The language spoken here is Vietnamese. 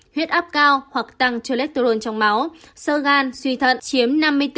huyết áp cao hoặc tăng cholesterol trong máu sơ gan suy thận chiếm năm mươi bốn